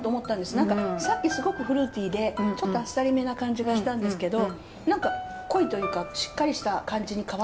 何かさっきすごくフルーティーでちょっとあっさりめな感じがしたんですけど何か濃いというかしっかりした感じに変わったような気がして。